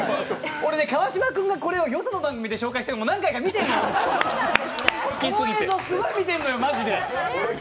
俺ね、川島君がこれをよその番組で紹介してるのを何回か見てるんだ、この映像、すごい見てるのよマジで。